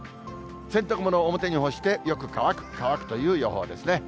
洗濯物を表に干して、よく乾く、乾くという予報ですね。